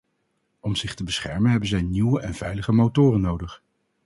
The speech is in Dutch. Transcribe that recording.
Om zich te beschermen hebben zij nieuwe en veilige motoren nodig.